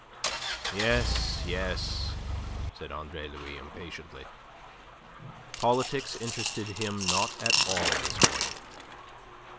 "Yes, yes," said Andre Louis impatiently. Politics interested him not at all this morning.